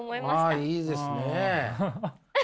ああいいですね。